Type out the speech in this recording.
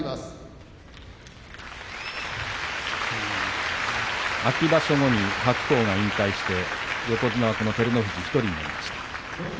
拍手秋場所後に白鵬が引退して横綱はこの照ノ富士１人になりました。